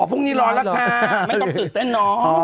อ๋อพรุ่งนี้ร้อนละค่ะไม่ต้องตื่นแต่น้อง